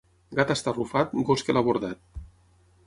Gat estarrufat, gos que l'ha bordat.